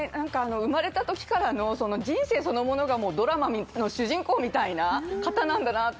生まれた時からの人生そのものがドラマの主人公みたいな方なんだなって。